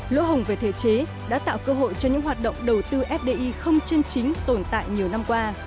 lỗ hồng về thể chế đã tạo cơ hội cho những hoạt động đầu tư fdi không chân chính tồn tại nhiều năm qua